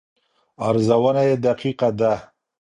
ارزونه یې دقیقه ده.